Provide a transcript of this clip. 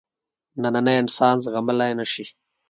نننی انسان زغملای نه شي.